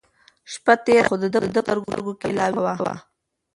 شپه تېره وه خو د ده په سترګو کې لا وېښه وه.